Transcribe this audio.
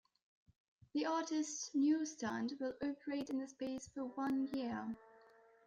The Artist Newsstand will operate in the space for one year.